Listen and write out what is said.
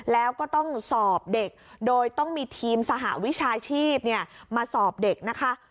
แล้วก็ต้องสอบเด็กโดยต้องมีทีมสหวิชาชีพมาสอบเด็กนะคะ